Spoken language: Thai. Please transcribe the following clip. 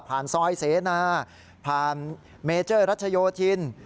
ซอยเสนาผ่านเมเจอร์รัชโยธิน